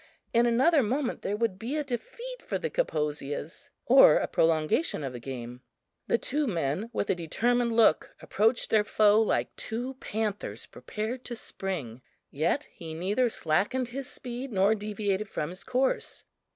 In another moment there would be a defeat for the Kaposias or a prolongation of the game. The two men, with a determined look approached their foe like two panthers prepared to spring; yet he neither slackened his speed nor deviated from his course.